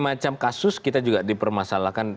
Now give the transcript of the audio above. macam kasus kita juga dipermasalahkan